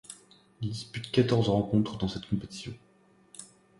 Il dispute quatorze rencontres dans cette compétition.